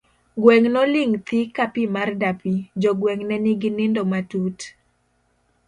Gweng' noling' thi ka pi mar dapi, jogweng' ne nigi nindo matut.